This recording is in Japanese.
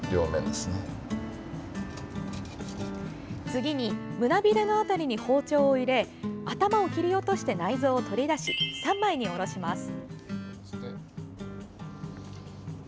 次に胸びれの辺りに包丁を入れ頭を切り落として内臓を取り出し３枚におろします。